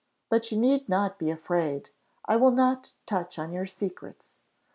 But you need not be afraid; I will not touch on your secrets.